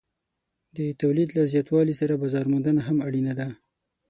د تولید له زیاتوالي سره بازار موندنه هم اړینه ده.